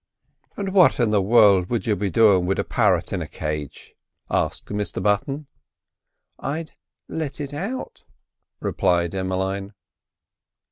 "And what in the world would you be doin' with a par't in a cage?" asked Mr Button. "I'd let it out," replied Emmeline.